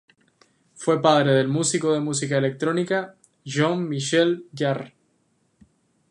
Fue padre del músico de música electrónica Jean-Michel Jarre.